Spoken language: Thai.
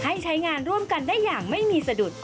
ใช้งานร่วมกันได้อย่างไม่มีสะดุด